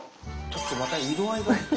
ちょっとまた色合いがすてきですね。